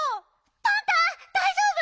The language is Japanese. パンタだいじょうぶ？